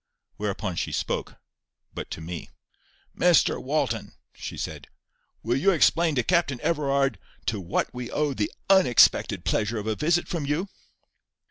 Whereupon she spoke, but to me. "Mr Walton," she said, "will you explain to Captain Everard to what we owe the UNEXPECTED pleasure of a visit from you?"